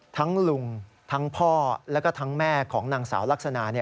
ทั้งลุงทั้งพ่อแล้วก็ทั้งแม่ของนางสาวลักษณะ